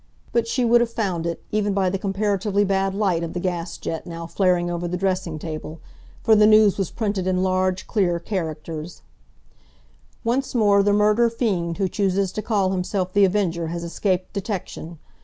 But she would have found it, even by the comparatively bad light of the gas jet now flaring over the dressing table, for the news was printed in large, clear characters:— "Once more the murder fiend who chooses to call himself The Avenger has escaped detection.